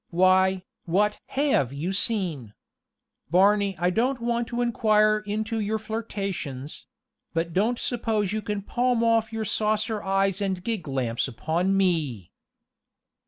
Why, what have you seen? Barney, I don't want to inquire into your flirtations; but don't suppose you can palm off your saucer eyes and gig lamps upon me!"